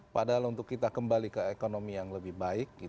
padahal untuk kita kembali ke ekonomi yang lebih baik